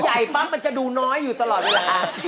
เขาใหญ่ปั๊บมันจะดูน้อยอยู่ตลอดเลยละค่ะ